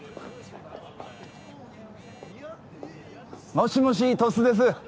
もしもし鳥栖です。